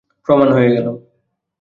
প্রমাণ হয়ে গেল।